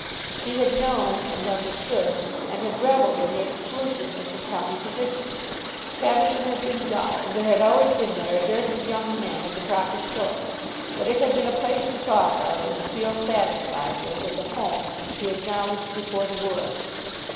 She had known, and understood, and had revelled in the exclusiveness of county position. Caversham had been dull, and there had always been there a dearth of young men of the proper sort; but it had been a place to talk of, and to feel satisfied with as a home to be acknowledged before the world.